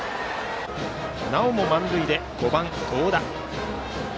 なおも満塁で５番、合田。